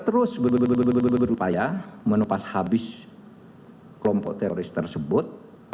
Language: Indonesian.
terus berupaya menupas habis kelompok teroris tersebut